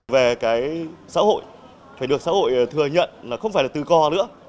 về cái xã hội phải được xã hội thừa nhận là không phải là từ co nữa